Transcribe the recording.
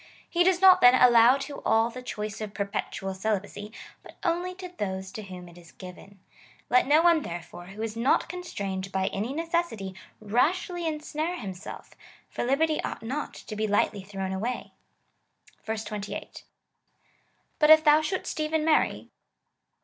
He does not, then, allow to all the choice of per petual celibacy, but only to those to whom it is given. Let no one, therefore, who is not constrained by any necessity, rashly insnare himself, for liberty ought not to be lightly thrown away.^ 28. But if thou shouldest even marry.